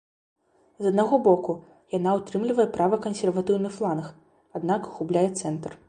З аднаго боку, яна ўтрымлівае правы кансерватыўны фланг, аднак губляе цэнтр.